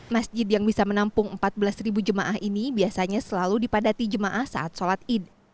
masjid yang bisa menampung empat belas jemaah ini biasanya selalu dipadati jemaah saat sholat id